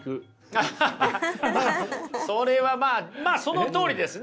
アハハそれはまあそのとおりですね。